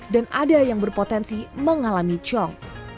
dan ada yang berpotensi mengalami cong